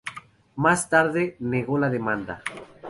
Más tarde negó la demanda.